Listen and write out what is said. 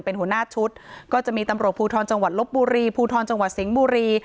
เป็นหัวหน้าชุดก็จะมีตำรวจภูทรจังหวัดลบบุรีภูทรจังหวัดสิงห์บุรี